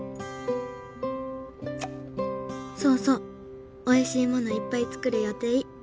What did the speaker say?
「そうそうおいしいものいっぱい作る予定！」